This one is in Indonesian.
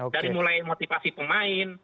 dari mulai motivasi pemain